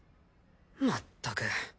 まったく。